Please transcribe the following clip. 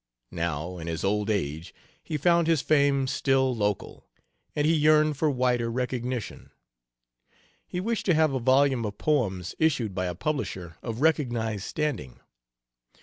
Now, in his old age, he found his fame still local, and he yearned for wider recognition. He wished to have a volume of poems issued by a publisher of recognized standing.